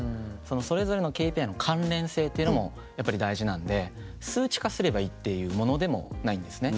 それぞれのＫＰＩの関連性っていうのもやっぱり大事なんで数値化すればいいっていうものでもないんですね。